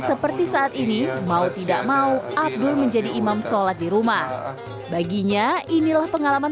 seperti saat ini mau tidak mau abdul menjadi imam sholat di rumah baginya inilah pengalaman